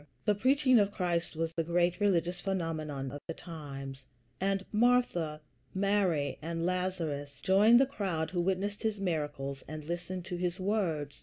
The preaching of Christ was the great religious phenomenon of the times, and Martha, Mary, and Lazarus joined the crowd who witnessed his miracles and listened to his words.